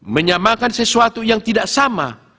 menyamakan sesuatu yang tidak sama